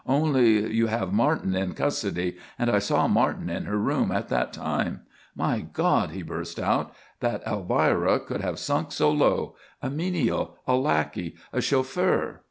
Only you have Martin in custody, and I saw Martin in her room at that time. My God!" he burst out, "that Elvira could have sunk so low! A menial, a lackey a chauffeur!"